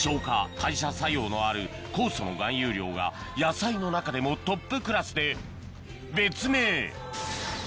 代謝作用のある酵素の含有量が野菜の中でもトップクラスで別名